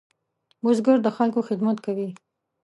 بزګر د خلکو خدمت کوي